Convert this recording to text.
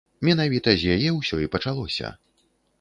Менавіта з яе ўсё і пачалося.